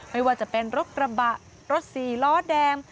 ไม่ว่าจะเป็นรถกระบะรถสี่ล้อแดง